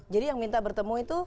jadi yang minta bertemu itu